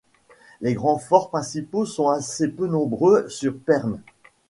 Les grands forts principaux sont assez peu nombreux sur Pern.